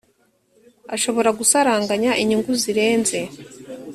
ashobora gusaranganya inyungu zirenze